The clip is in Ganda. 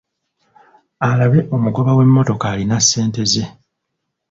Alabe omugoba w'emmotoka alina ssente ze.